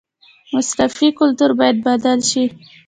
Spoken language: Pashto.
مصرفي کلتور باید بدل شي